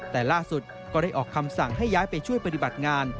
แต่ล่าสุดก็ได้ออกคำสั่งให้ย้ายไปช่วยปฏิบัติงาน